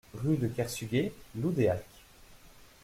Rue de Kersuguet, Loudéac